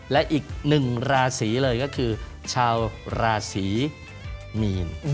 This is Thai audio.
และอีกหนึ่งราศีเลยก็คือชาวราศีมีน